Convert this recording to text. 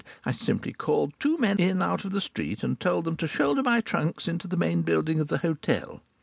I simply called two men in out of the street, and told them to shoulder my trunks into the main building of the hotel.